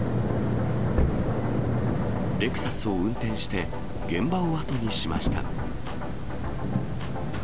レクサスを運転して、現場をあとにしました。